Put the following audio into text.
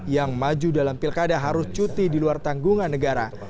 yang maju dalam pilkada harus cuti di luar tanggungan negara